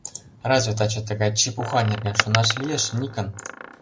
Разве таче тыгай чепуха нерген шонаш лиеш, Никон?